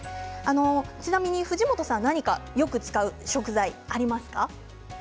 ちなみに、藤本さん何かよく使う食材ありますか？